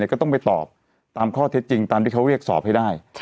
ก็ต้องไปตอบตามข้อเท็จจริงตามที่เขาเรียกสอบให้ได้